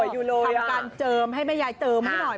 ทำการเจิมให้แม่ยายเติมให้หน่อย